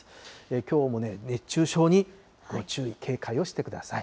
きょうも熱中症に注意、警戒をしてください。